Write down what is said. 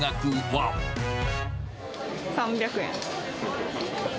３００円。